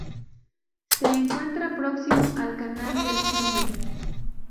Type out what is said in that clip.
Se encuentra próximo al canal del Flumen.